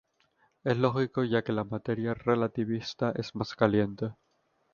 Es lógico ya que la materia relativista es más "caliente".